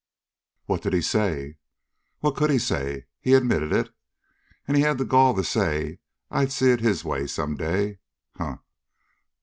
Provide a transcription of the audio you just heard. "What did he say?" "What could he say? He admitted it. And he had the gall to say I'd see it his way some day. Huh!